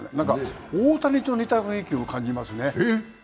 大谷と似た雰囲気を感じますね。